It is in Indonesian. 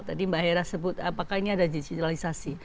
tadi mbak hera sebut apakah ini ada digitalisasi